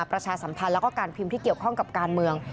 ประชาสัมพันธ์แล้วก็การพิมพ์ที่เกี่ยวข้องกับการเมือง